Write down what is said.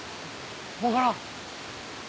わからん！